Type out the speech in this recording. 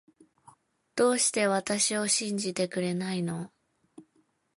どうして私を信じてくれないの